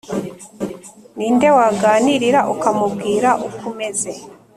Ni nde waganirira ukamubwira uko umeze